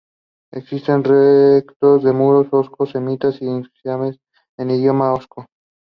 But Pyke feels perfectly content staying in his wheelhouse.